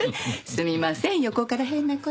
すみません横から変な事。